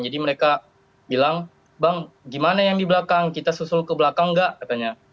jadi mereka bilang bang gimana yang di belakang kita susul ke belakang gak katanya